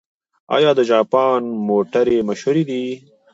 آیا د جاپان موټرې مشهورې دي؟